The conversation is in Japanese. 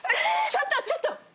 ちょっとちょっと。